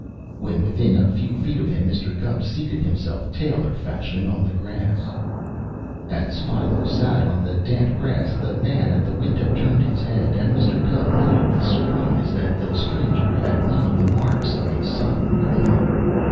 When within a few feet of him, Mr. Gubb seated himself tailor fashion on the grass. As Philo sat on the damp grass, the man at the window turned his head, and Mr. Gubb noted with surprise that the stranger had none of the marks of a sodden criminal.